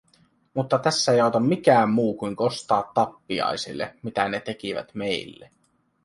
Mutta tässä ei auta mikään muu, kuin kostaa tappiaisille, mitä ne tekivät meille.